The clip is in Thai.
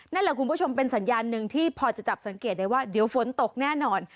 นั่นแหละคุณผู้ชมเป็นสัญญาณหนึ่งที่พอจะจับสังเกตได้ว่าเดี๋ยวฝนตกแน่นอน